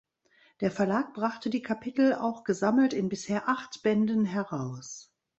Der Verlag brachte die Kapitel auch gesammelt in bisher acht Bänden heraus.